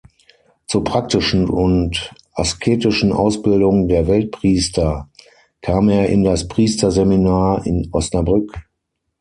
Zur praktischen und asketischen Ausbildung der Weltpriester kam er in das Priesterseminar in Osnabrück.